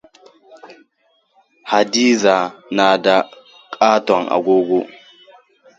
Hadiza na da katon agogo.